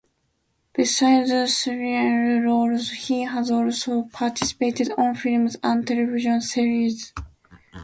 Besides theatre roles he has also participated on films and television series.